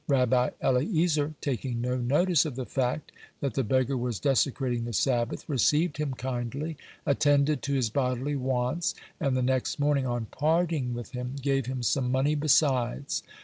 Rabbi Eliezer, taking no notice of the fact that the beggar was desecrating the Sabbath, received him kindly, attended to his bodily wants, and the next morning, on parting with him, gave him some money besides.